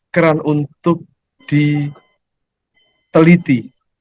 keran untuk diteliti